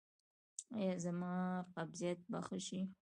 ایا زما قبضیت به ښه شي؟